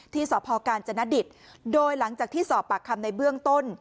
ที่สพกาญจนดิตโดยหลังจากที่สอบปากคำในเบื้องต้น